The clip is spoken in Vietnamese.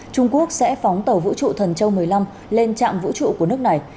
trung quốc sẽ phóng tàu vũ trụ thần châu một mươi năm lên trạm vũ trụ của nước này